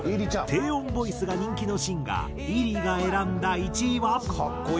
低音ボイスが人気のシンガーｉｒｉが選んだ１位は。